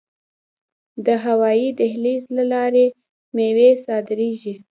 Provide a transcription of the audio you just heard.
د هوایی دهلیز له لارې میوې صادریږي.